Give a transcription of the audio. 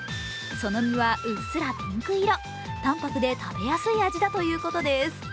その身はうっすらピンク色、淡白で食べやすい味だということです。